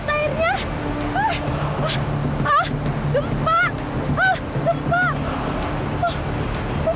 ben ben aku takut